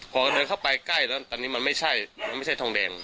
พอเดินเข้าไปใกล้แล้วตอนนี้มันไม่ใช่มันไม่ใช่ทองแดง